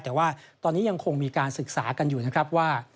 แต่ว่าตอนนี้ยังคงมีการศึกษากันอยู่นะครับว่า